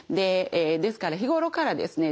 ですから日頃からですね